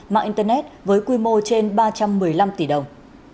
mạng internet với quy mô trên ba trăm một mươi năm tỷ đồng